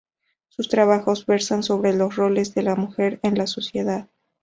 Sus trabajos versan sobre los roles de la mujer en la sociedad.